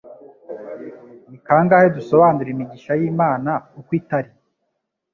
Ni kangahe dusobanura imigisha y'Imana uko itari,